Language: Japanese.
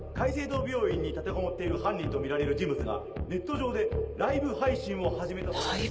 病院に立てこもっている犯人とみられる人物がネット上でライブ配信を始めたもようです。